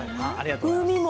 風味も。